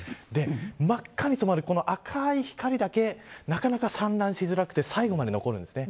真っ赤に染まる赤い光だけなかなか散乱しづらくて最後まで残るんですね。